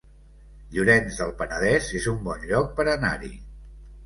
Llorenç del Penedès es un bon lloc per anar-hi